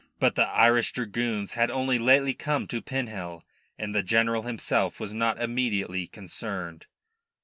But the Irish Dragoons had only lately come to Pinhel, and the general himself was not immediately concerned.